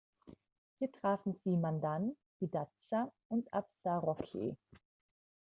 Hier trafen sie Mandan, Hidatsa und Absarokee.